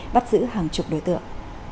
bắt giữ hàng chục đối tượng